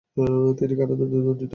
তিনি কারাদণ্ডে দণ্ডিত হন।